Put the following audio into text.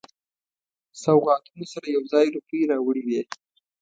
سوغاتونو سره یو ځای روپۍ راوړي وې.